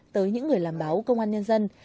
tới những người làm báo công an nhân dân